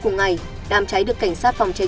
cùng ngày đám cháy được cảnh sát phòng cháy